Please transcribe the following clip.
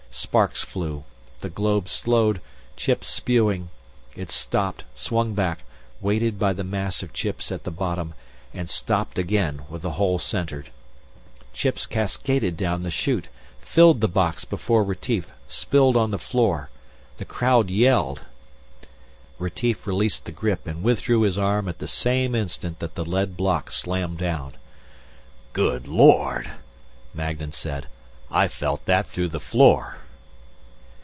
Sparks flew. The globe slowed, chips spewing. It stopped, swung back, weighted by the mass of chips at the bottom, and stopped again with the hole centered. Chips cascaded down the chute, filled the box before Retief, spilled on the floor. The crowd yelled. Retief released the grip and withdrew his arm at the same instant that the lead block slammed down. "Good lord," Magnan said. "I felt that through the floor."